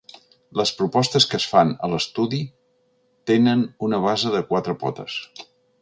Les propostes que es fan a l’estudi tenen una base de quatre potes.